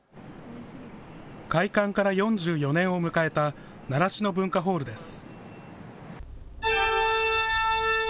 開館から４４年を迎えた習志野文化ホールです。